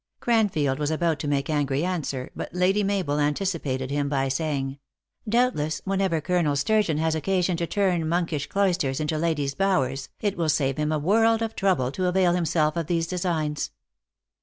Cranfield was about to make angry answer, but Lady Mabel anticipated him by saying: "doubtless, whenever Colonel Sturgeon has occasion to turn monk ish cloisters into ladies bowers, it will save him a world of trouble to avail himself of these designs.